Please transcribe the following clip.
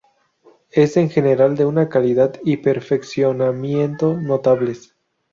Es, en general, de una calidad y perfeccionamiento notables.